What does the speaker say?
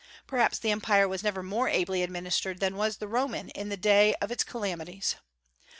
Perhaps the Empire was never more ably administered than was the Roman in the day of its calamities.